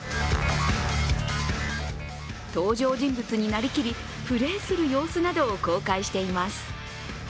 登場人物になりきりプレーする様子などを公開しています。